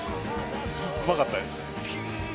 うまかったです。